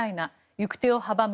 行く手を阻む